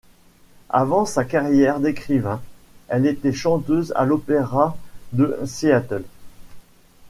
Avant sa carrière d'écrivain, elle était chanteuse à l'opéra de Seattle.